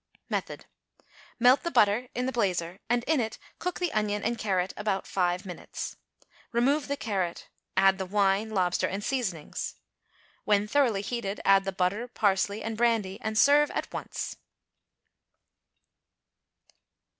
Method. Melt the butter in the blazer and in it cook the onion and carrot about five minutes. Remove the carrot; add the wine, lobster and seasonings. When thoroughly heated, add the butter, parsley and brandy and serve at once.